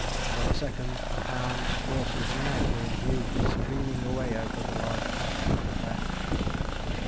Another second, and hounds, horses, and men were in view, streaming away over the large pasture on the left.